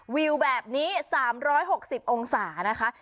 วิวแบบนี้๓๖๐องศานะคะ